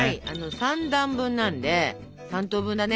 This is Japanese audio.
３段分なんで３等分だね。